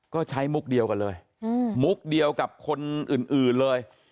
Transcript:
ก็ใช้มุกเดียวกันเลยมุกเดียวกับคนอื่นเลย